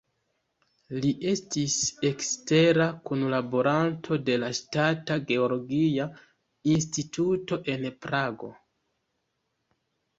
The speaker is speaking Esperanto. Li estis ekstera kunlaboranto de la Ŝtata Geologia Instituto en Prago.